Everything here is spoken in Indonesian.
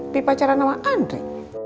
pi pacaran sama andri